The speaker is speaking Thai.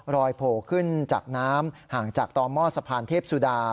โผล่ขึ้นจากน้ำห่างจากต่อหม้อสะพานเทพสุดา